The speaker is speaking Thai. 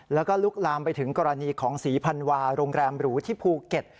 แล้วก็ลุกลามไปถึงกรณีของศรีพันวาโรงแรมหรูที่ภูเก็ต